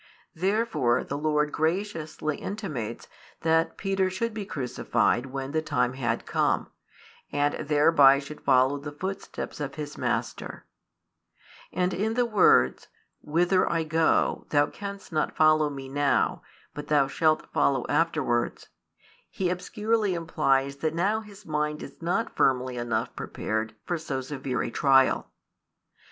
Therefore the Lord graciously intimates that Peter should be crucified when the time had come, and thereby should follow the footsteps of His Master: and in the words: Whither I go, thou canst not follow Me now, but thou shalt follow afterwards, He obscurely implies that now his mind is not firmly enough prepared for so severe a trial.